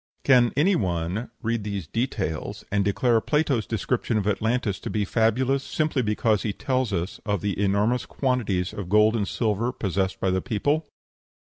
Can any one read these details and declare Plato's description of Atlantis to be fabulous, simply because he tells us of the enormous quantities of gold and silver possessed by the people?